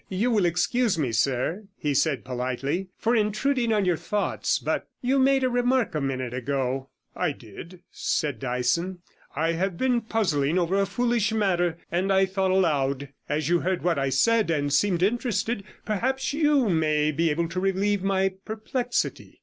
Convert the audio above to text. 'You will excuse me, sir,' he said politely, 'for intruding on your thoughts, but you made a remark a minute ago.' 'I did,' said Dyson; 'I have been puzzling over a foolish matter, and I thought aloud. As you heard what I said, and seem interested, perhaps you may be able to relieve my perplexity?'